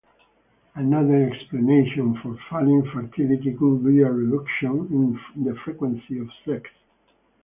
Another explanation for falling fertility could be a reduction in the frequency of sex.